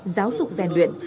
giáo dục rèn luyện